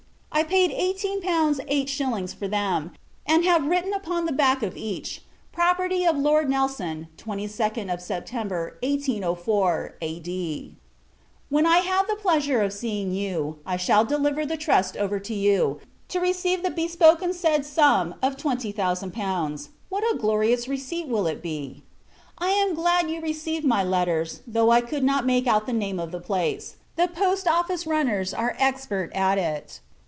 I paid eighteen pounds eight shillings for them; and I have written upon the back of each "Property of Lord Nelson, 22d September 1804. A.D." When I have the pleasure of seeing you, I shall deliver the trust over to you, to receive the bespoken said sum of twenty thousand pounds. What a glorious receipt will it be! I am glad you received my letters, though I could not make out the name of the place; the Post Office runners are expert at it.